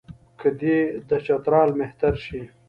که دی د چترال مهتر شي.